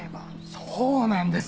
そうなんです。